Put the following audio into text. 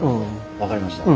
分かりました。